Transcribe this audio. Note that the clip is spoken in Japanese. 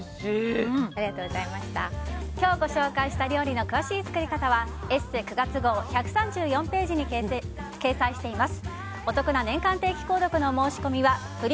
今日ご紹介した料理の詳しい作り方は「ＥＳＳＥ」９月号１３４ページに掲載しています。